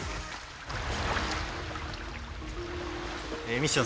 ミッション！